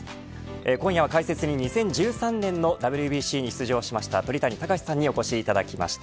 今夜は解説に２０１３年のＷＢＣに出場しました鳥谷敬さんにお越しいただきました。